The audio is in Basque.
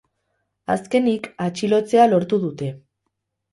Azkenik, atxilotzea lortu dute.